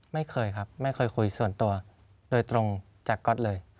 ไม่เคยครับไม่เคยคุยส่วนตัวโดยตรงจากก๊อตเลย